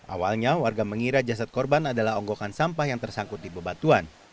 awalnya warga mengira jasad korban adalah ongkokan sampah yang tersangkut di bebatuan